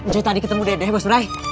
cuy tadi ketemu dede mas brai